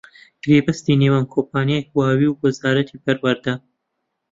گرێبەستی نێوان کۆمپانیای هواوی و وەزارەتی پەروەردە